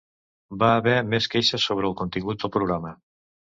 Va haver més queixes sobre el contingut del programa.